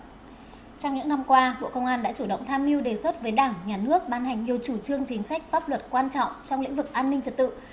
trong những năm qua bộ công an đã chủ động tham mưu đề xuất với đảng nhà nước ban hành nhiều chủ trương chính sách pháp luật quan trọng trong lĩnh vực an ninh trật tự